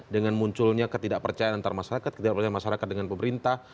dengan munculnya ketidakpercayaan antar masyarakat ketidakpercayaan masyarakat dengan pemerintah